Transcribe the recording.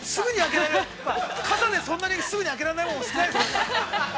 傘でそんなすぐに開けられないの少ないよね。